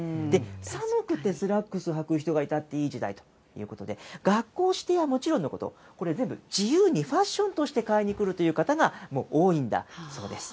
寒くてスラックスはく人がいたっていい時代ということで、学校指定はもちろんのこと、これ、全部自由にファッションとして買いに来るという方がもう多いんだそうです。